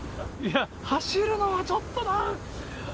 走るのはちょっとな。